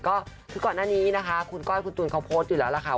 ก็คือก่อนหน้านี้นะคะคุณก้อยคุณตูนเขาโพสต์อยู่แล้วล่ะค่ะ